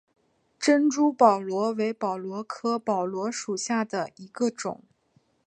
珍珠宝螺为宝螺科宝螺属下的一个种。